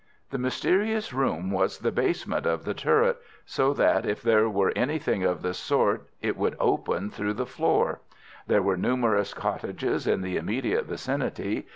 The mysterious room was the basement of the turret, so that if there were anything of the sort it would open through the floor. There were numerous cottages in the immediate vicinity.